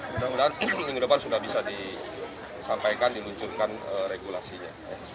mudah mudahan minggu depan sudah bisa disampaikan diluncurkan regulasinya